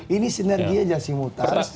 ini sinergia jasi mutar